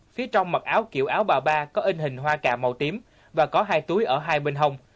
phía trong mặc áo kiểu áo bà ba có in hình hoa cà màu tím và có hai túi ở hai bên hông